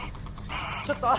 ちょっと！